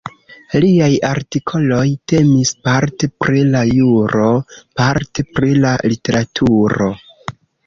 Liaj artikoloj temis parte pri la juro, parte pri la literaturo.